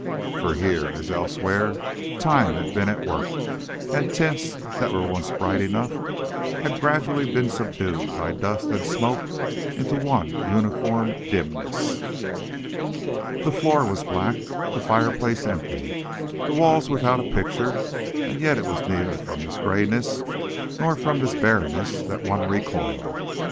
For here, as elsewhere, time had been at work, and tints that were once bright enough had gradually been subdued by dust and smoke into one uniform dimness. The floor was black, the fireplace empty, the walls without a picture, and yet it was neither from this grayness nor from this barrenness that one recoiled.